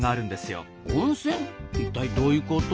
一体どういうこと？